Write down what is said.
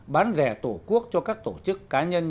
bán rẻ tổ quốc cho các tổ chức cá nhân